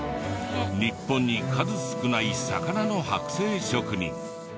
日本に数少ない魚のはく製職人。